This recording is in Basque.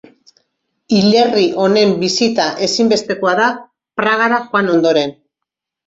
Hilerri honen bisita ezinbestekoa da Pragara joan ondoren.